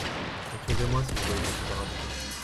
Écrivez-moi si vous voyez des choses à rajouter.